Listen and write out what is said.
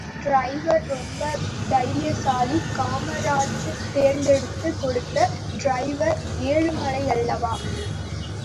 Driver ரொம்ப தைரியசாலி, காமராஜ் தேர்ந்தெடுத்துக் கொடுத்த டிரைவர் ஏழுமலையல்லவா?